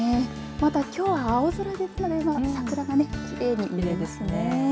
またきょうは青空で桜がきれいに見えますね。